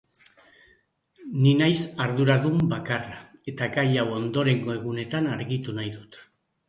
Ni naiz arduradun bakarra, eta gai hau ondorengo egunetan argitu nahi dut.